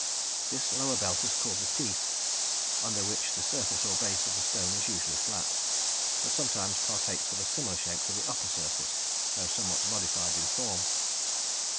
This lower belt is called the "teeth," under which the surface or base of the stone is usually flat, but sometimes partakes of a similar shape to the upper surface, though somewhat modified in form.